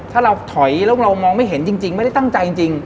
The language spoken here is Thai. ถ้าเราถอยแล้วเรามองไม่เห็นจริงไม่ได้ตั้งใจจริง